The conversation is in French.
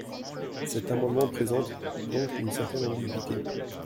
Cet amendement présente donc une certaine ambiguïté.